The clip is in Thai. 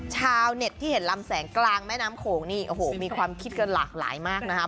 ชาวเน็ตที่เห็นลำแสงกลางแม่น้ำโขงนี่โอ้โหมีความคิดกันหลากหลายมากนะครับ